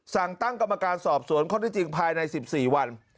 สั่งตั้งกรรมการสอบสวนข้อที่จริงภายใน๑๔วัน